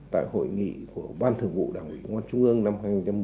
tại hội nghị của ban thường vụ đảng nghị ngoan trung ương năm hai nghìn một mươi chín